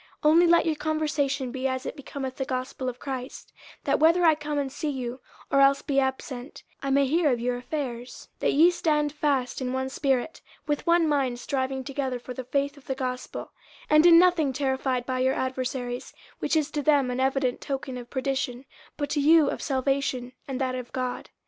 50:001:027 Only let your conversation be as it becometh the gospel of Christ: that whether I come and see you, or else be absent, I may hear of your affairs, that ye stand fast in one spirit, with one mind striving together for the faith of the gospel; 50:001:028 And in nothing terrified by your adversaries: which is to them an evident token of perdition, but to you of salvation, and that of God.